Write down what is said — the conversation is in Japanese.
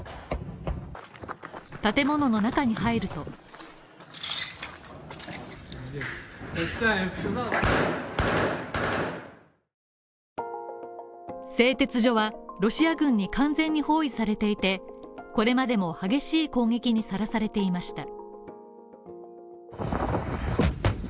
建物の中に入ると製鉄所は、ロシア軍に完全に包囲されていて、これまでも激しい攻撃にさらされていました。